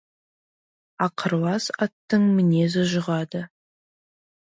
Ақырлас аттың мінезі жұғады.